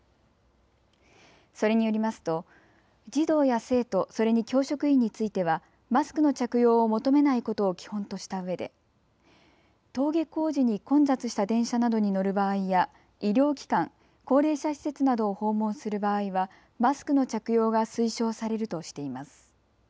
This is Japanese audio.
それによりますと児童や生徒、それに教職員についてはマスクの着用を求めないことを基本としたうえで登下校時に混雑した電車などに乗る場合や医療機関、高齢者施設などを訪問する場合はマスクの着用が推奨されるとしています。